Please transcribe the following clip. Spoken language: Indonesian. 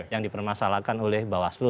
yang dipermasalahkan oleh bawaslu